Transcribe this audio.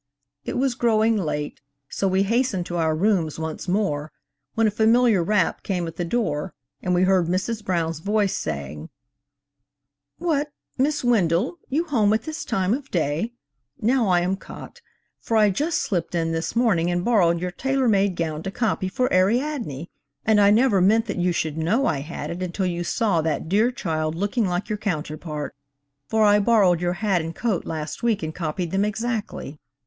It was growing late, so we hastened to our rooms once more, when a familiar rap came at the door and we heard Mrs. Brown's voice, saying: "What, Miss Wendell, you home at this time of day? Now I am caught, for I just slipped in this morning and borrowed your tailor made gown to copy for Ariadne, and I never meant that you should know I had it until you saw that dear child looking like your counterpart, for I borrowed your hat and coat last week and copied them exactly."